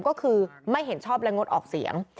ก็คือไม่เห็นชอบและงดออกเสียง